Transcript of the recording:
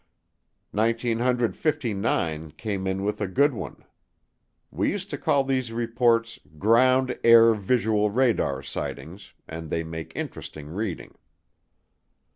Nineteen hundred fifty nine came in with a good one. We used to call these reports "Ground air visual radar" sightings and they make interesting reading.